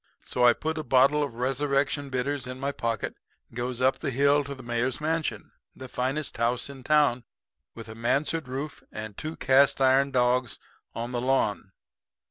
So I put a bottle of Resurrection Bitters in my pocket and goes up on the hill to the mayor's mansion, the finest house in town, with a mansard roof and two cast iron dogs on the lawn.